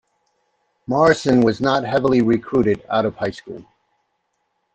Morrison was not heavily recruited out of high school.